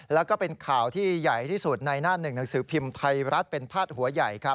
แล้วก็เป็นข่าวที่ใหญ่ที่สุดในหน้าหนึ่งหนังสือพิมพ์ไทยรัฐเป็นพาดหัวใหญ่ครับ